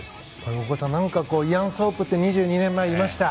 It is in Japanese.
大越さん、イアン・ソープって２２年前いました。